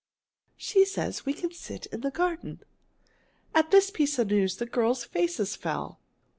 She says we can sit in the garden." At this piece of news the girls' faces fell.